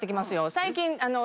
最近。